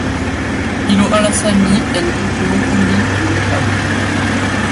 ilo alasa mi en poki moku mi li weka.